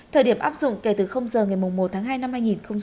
thời điểm áp dụng kể từ giờ ngày một tháng hai năm hai nghìn một mươi sáu